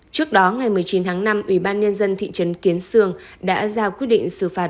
trước đó ngày một mươi chín tháng năm ubnd thị trấn kiến sương đã ra quyết định xử phạt